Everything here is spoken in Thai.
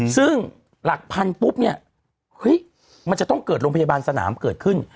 ซึ่งหลักพันปุ๊บเนี่ยเฮ้ยมันจะต้องเกิดโรงพยาบาลสนามเกิดขึ้น